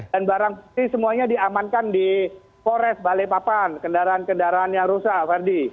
dan barang barang ini semuanya diamankan di kores balai papan kendaraan kendaraan yang rusak ferdi